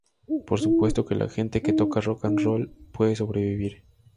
Por supuesto que la gente que toca "rock and roll" puede sobrevivir.